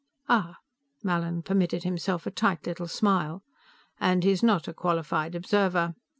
"Ah." Mallin permitted himself a tight little smile. "And he's not a qualified observer.